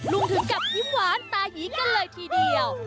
ถึงกับยิ้มหวานตายีกันเลยทีเดียว